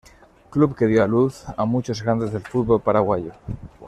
Club que dio a luz a muchos grandes del fútbol paraguayo.